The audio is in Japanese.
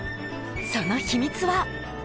その秘密は。